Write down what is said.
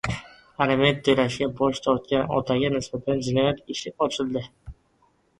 Aliment to‘lashdan bosh tortgan otaga nisbatan jinoiy ish ochildi